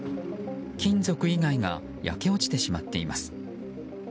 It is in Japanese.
金属以外が焼け落ちてしまっています。